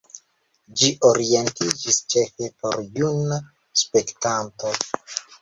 Ĝi orientiĝis ĉefe por juna spektanto.